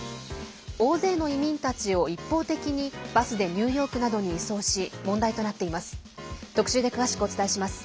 大勢の移民たちを一方的にバスでニューヨークなどに移送し問題となっています。